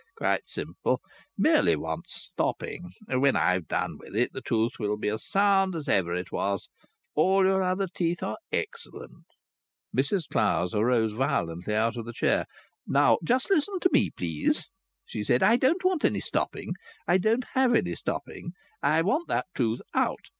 Quite simple. Merely wants stopping. When I've done with it the tooth will be as sound as ever it was. All your other teeth are excellent." Mrs Clowes arose violently out of the chair. "Now just listen to me, please," she said. "I don't want any stopping; I won't have any stopping; I want that tooth out.